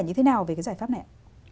như thế nào về cái giải pháp này